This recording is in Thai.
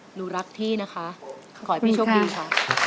หนูรักพี่นะคะขอให้พี่โชคดีค่ะ